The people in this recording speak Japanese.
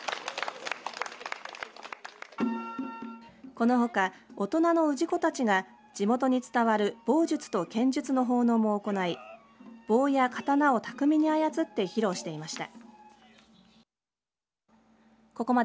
このほか、大人の氏子たちが地元に伝わる棒術と剣術の奉納も行い棒や刀を巧みに操って披露していました。